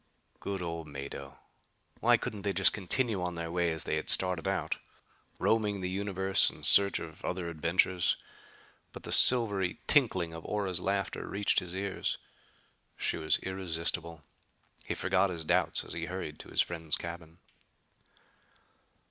Good old Mado! Why couldn't they just continue on their way as they had started out? Roaming the universe in search of other adventures! But the silvery tinkle of Ora's laughter reached his ears. She was irresistible! He forgot his doubts as he hurried to his friend's cabin.